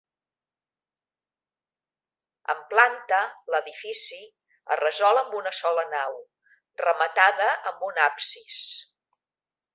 En planta, l'edifici es resol amb una sola nau, rematada amb un absis.